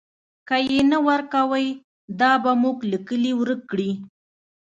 که یې نه ورکوئ، دا به موږ له کلي ورک کړي.